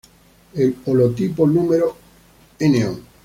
El holotipo número "No.